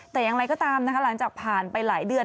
แต่อย่างไรก็ตามนะคะหลังจากผ่านไปหลายเดือน